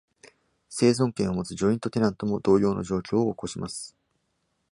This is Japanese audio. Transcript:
生存権をもつジョイントテナントも同様の状況を起こします。